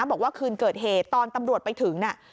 บอกว่าคืนเกิดเหตุตอนตำรวจไปถึงน่ะ